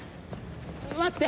待って！